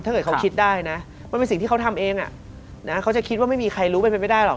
ถ้าเกิดเขาคิดได้นะมันเป็นสิ่งที่เขาทำเองเขาจะคิดว่าไม่มีใครรู้มันเป็นไม่ได้หรอก